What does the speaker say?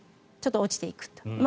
ちょっと落ちていくと。